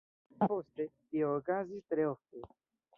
Poste, tio okazis tre ofte.